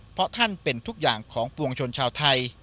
เพราะท่านเป็นทุกอย่างของปวงชนชาวไทย